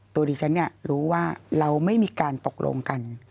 ตัวดิฉันรู้ว่าเราไม่มีการตกลงกัน